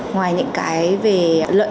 ngoài những cái về lợi ích của khách hàng